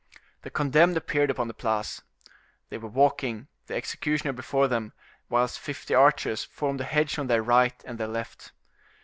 The condemned appeared upon the Place. They were walking, the executioner before them, whilst fifty archers formed a hedge on their right and their left.